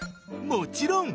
もちろん！